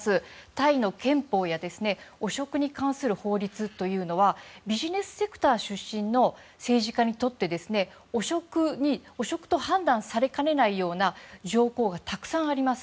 タイの憲法や汚職に関する法律はビジネスセクター出身の政治家にとって汚職と判断されかねないような条項がたくさんあります。